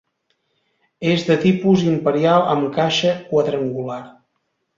És de tipus imperial amb caixa quadrangular.